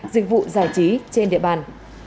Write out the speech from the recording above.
dịch vụ giải trí trên địa bàn